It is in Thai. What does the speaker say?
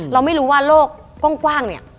เราไม่รู้ว่าโลกกว้างเนี่ย